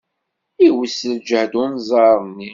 Iwet s ljehd unẓar-nni.